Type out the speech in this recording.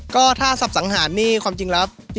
ก็ถ้าสับสังหารนี่ความจริงแล้ว